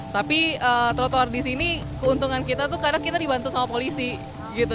tapi trotoar di sini keuntungan kita tuh karena kita dibantu sama polisi gitu